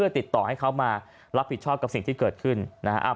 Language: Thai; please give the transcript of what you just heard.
ติดต่อให้เขามารับผิดชอบกับสิ่งที่เกิดขึ้นนะครับ